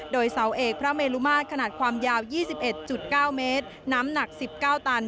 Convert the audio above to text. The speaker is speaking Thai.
โดยเสาเอกพระเมลุมาตรขนาดความยาว๒๑๙เมตรน้ำหนัก๑๙ตัน